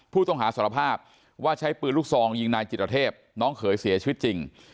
ผู้ต้องหาสารภาพว่าใช้ปืนลูกซองยิงนายจิตรเทพน้องเขยเสียชีวิตจริง